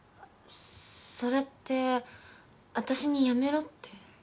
それって私に辞めろって。